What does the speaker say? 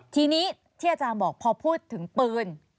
ทีนี้ที่อาจารย์บอกพอพูดถึงปืน